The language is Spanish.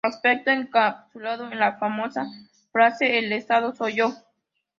Aspecto encapsulado en la famosa frase "El Estado soy yo".